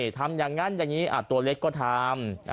ทำอย่างนั้นอย่างนี้ตัวเล็กก็ทำ